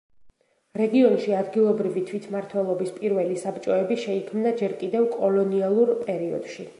რეგიონში ადგილობრივი თვითმართველობის პირველი საბჭოები შეიქმნა ჯერ კიდევ კოლონიალურ პერიოდში.